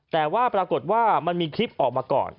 แต่ว่าปรากฏว่ามันมีคลิปออกมาก่อน